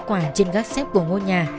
kết quả trên gác xếp của ngôi nhà